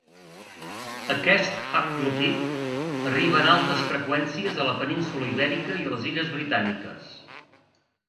Aquest haplotip arriba en altes freqüències a la península Ibèrica i a les Illes Britàniques.